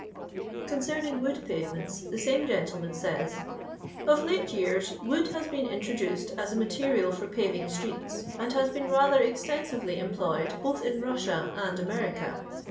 Concerning wood paTements the same gentle man says, Of late years wood has been intro dooed as a material for paying streets, and has been rather eztensiyely employed both in Rossia and America.